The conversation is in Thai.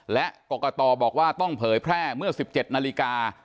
และกรกตบอกว่าต้องเผยแพร่เมื่อ๑๗นาฬิกา